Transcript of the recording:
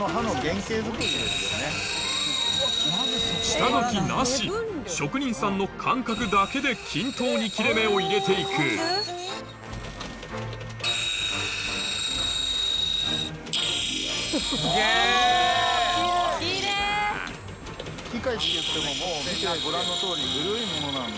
下描きなし職人さんの感覚だけで均等に切れ目を入れて行くキレイ！